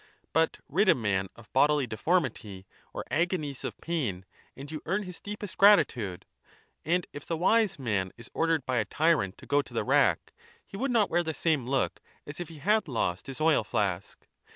But rid a man of bodily deformity or agonies of pain, and you earn his deepest gratitude ; and if the Wise Man is ordered bya tyrant togo to the rack, he would not wear the same look as if he had lost his oil flask.